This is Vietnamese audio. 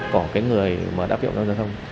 của người đáp hiệu đoàn giao thông